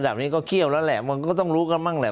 แบบนี้ก็เคี่ยวแล้วแหละมันก็ต้องรู้กันบ้างแหละ